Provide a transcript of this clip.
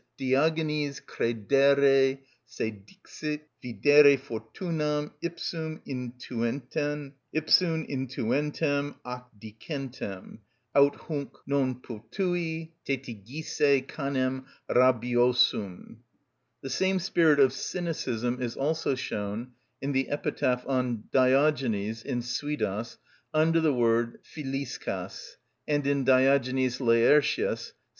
(Diogenes credere se dixit, videre Fortunam, ipsum intuentem, ac dicentem: aut hunc non potui tetigisse canem rabiosum.) The same spirit of cynicism is also shown in the epitaph on Diogenes, in Suidas, under the word Φιλισκος, and in "Diogenes Laertius," vi.